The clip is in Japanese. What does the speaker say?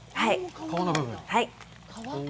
皮の部分。